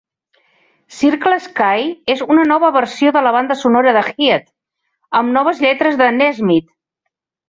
"Circle Sky" és una nova versió de la banda sonora de "Head", amb noves lletres de Nesmith.